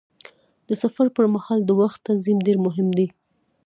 د سفر پر مهال د وخت تنظیم ډېر مهم دی.